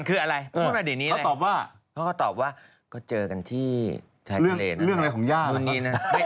เธออิ่นนี่ตบปากฟากดีนะท่านมูงนี่